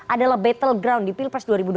adalah battle ground di pilpres dua ribu dua puluh